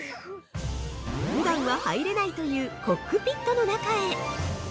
◆ふだんは入れないというコックピットの中へ。